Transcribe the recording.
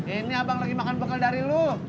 ini abang lagi makan bekal dari lu